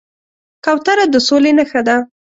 کوتره د سولې نښه ده.